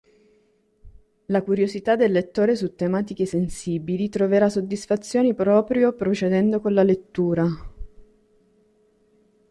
La curiosità del lettore su tematiche sensibili troverà soddisfazione proprio procedendo con la lettura.